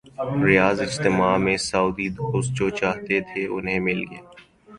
ریاض اجتماع میں سعودی دوست جو چاہتے تھے، انہیں مل گیا۔